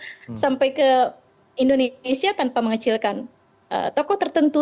jadi artinya kalau sampai ke indonesia tanpa mengecilkan toko tertentu